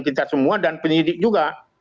kita semua dan penyidik juga